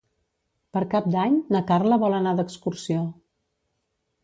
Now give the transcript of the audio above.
Per Cap d'Any na Carla vol anar d'excursió.